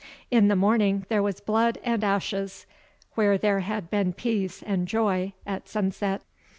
In the morning there was blood and ashes, where there had been peace and joy at the sunset."